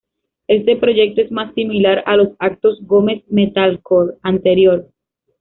Este proyecto es más similar a los actos Gomes metalcore anterior.